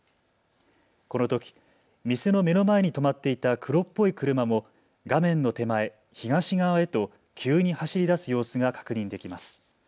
このとき店の目の前に止まっていた黒っぽい車も画面の手前、東側へと急に走りだす様子が確認できます。